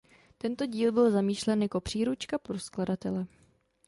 Tento díl byl zamýšlen jako příručka pro skladatele.